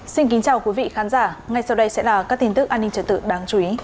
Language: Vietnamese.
xin kính chào quý vị khán giả ngay sau đây sẽ là các tin tức an ninh trật tự đáng chú ý